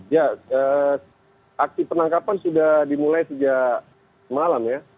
ya aksi penangkapan sudah dimulai sejak malam ya